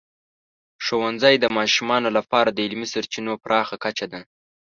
ښوونځی د ماشومانو لپاره د علمي سرچینو پراخه کچه ده.